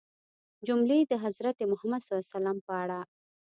جملې د حضرت محمد ﷺ په اړه